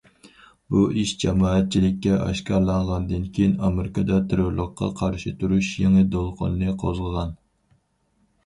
بۇ ئىش جامائەتچىلىككە ئاشكارىلانغان كېيىن ئامېرىكىدا تېررورلۇققا قارشى تۇرۇش يېڭى دولقۇنىنى قوزغىغان.